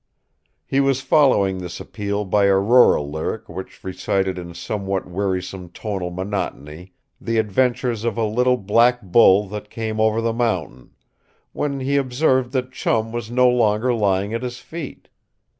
He was following this appeal by a rural lyric which recited in somewhat wearisome tonal monotony the adventures of a Little Black Bull that came Over the Mountain, when he observed that Chum was no longer lying at his feet.